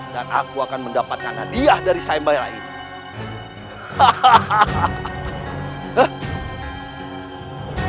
dan aku akan mendapatkan hadiah dari saimbara ini